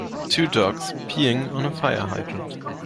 Two dogs peeing on a fire hydrant